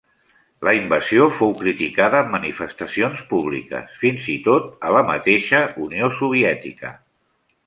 La invasió fou criticada amb manifestacions públiques fins i tot a la mateixa Unió Soviètica.